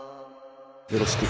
よろしく。